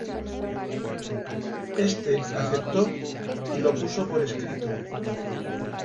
Éste aceptó y lo puso por escrito.